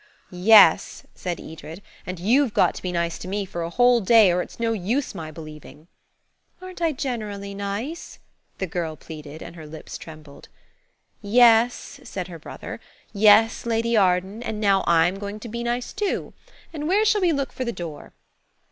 "Yes," said Edred, "and you've got to be nice to me for a whole day, or it's no use my believing." "Aren't I generally nice?" the girl pleaded, and her lips trembled. "Yes," said her brother. "Yes, Lady Arden; and now I'm going to be nice, too. And where shall we look for the door?"